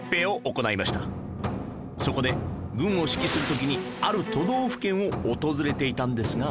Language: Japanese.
そこで軍を指揮する時にある都道府県を訪れていたんですが